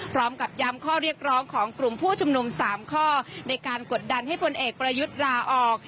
พร้อมกับย้ำข้อเรียกร้องของกลุ่มผู้ชุมนุม๓ข้อในการกดดันให้พลเอกประยุทธ์ลาออก